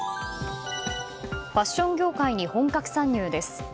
ファッション業界に本格参入です。